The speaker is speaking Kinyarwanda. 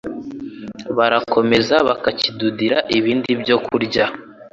Barakomeza bakakidudira ibindi byokurya,